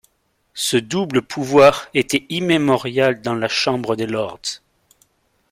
Ce double pouvoir était immémorial dans la chambre des lords.